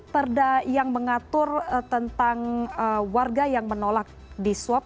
perda yang mengatur tentang warga yang menolak di swab